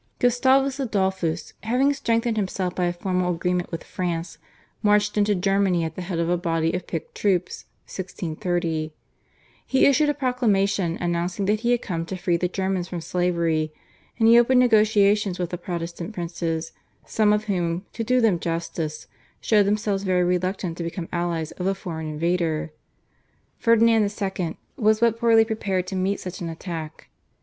Gustavus Adolphus, having strengthened himself by a formal agreement with France, marched into Germany at the head of a body of picked troops (1630). He issued a proclamation announcing that he had come to free the Germans from slavery, and he opened negotiations with the Protestant princes, some of whom to do them justice showed themselves very reluctant to become allies of a foreign invader. Ferdinand II. was but poorly prepared to meet such an attack.